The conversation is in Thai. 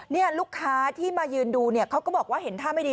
นี่ลูกค้าที่มายืนดูเนี่ยเขาก็บอกว่าเห็นท่าไม่ดี